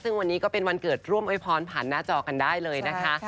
ซึ่งวันนี้ก็เป็นวันเกิดร่วมโวยพรผ่านหน้าจอกันได้เลยนะคะ